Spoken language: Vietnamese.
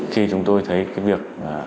khi chúng tôi thấy cái việc